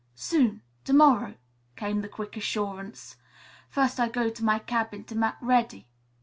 "Soon; to morrow," came the quick assurance. "First I go to my cabin to mak' ready.